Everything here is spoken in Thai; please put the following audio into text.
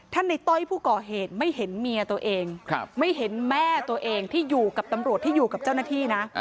ในต้อยผู้ก่อเหตุไม่เห็นเมียตัวเองไม่เห็นแม่ตัวเองที่อยู่กับตำรวจที่อยู่กับเจ้าหน้าที่นะ